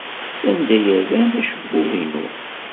Sanda ay rran akebbuḍ-inu?